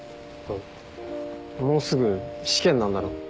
もうすぐ試験なんだろ？